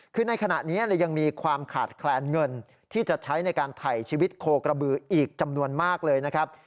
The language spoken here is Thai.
คือในขณะนี้ยังมีความขาดแคลนเงินที่จะใช้ในการถ่ายชีวิตโคกระบืออีกจำนวนมากเลยนะครับ